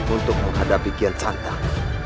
untuk menghadapi gensantan